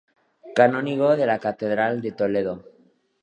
Canónigo de la catedral de Toledo.